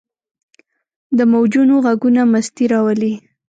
د موجونو ږغونه مستي راولي.